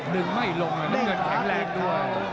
ดึงไม่ลงนึงเหนือแข็งแรงด้วย